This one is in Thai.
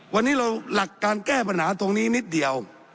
วันนี้เราหลักการแก้ปัญหาตรงนี้นิดเดียว